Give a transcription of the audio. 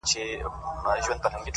د چا د سترگو د رڼا په حافظه کي نه يم _